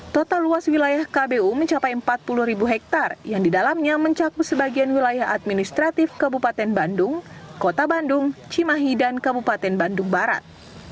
total luas wilayah kbu mencapai empat puluh ribu hektare yang didalamnya mencakup sebagian wilayah administratif kabupaten bandung kota bandung cimahi dan kabupaten bandung barat